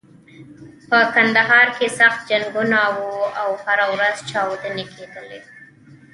په کندهار کې سخت جنګونه و او هره ورځ چاودنې کېدلې.